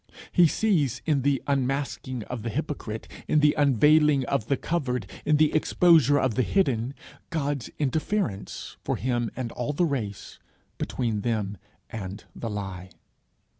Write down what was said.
He sees in the unmasking of the hypocrite, in the unveiling of the covered, in the exposure of the hidden, God's interference, for him and all the race, between them and the lie.